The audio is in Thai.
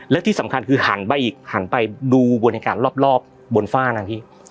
และที่สำคัญคือหันไปอีกหันไปดูบรรยากาศรอบบนฝ้านะพี่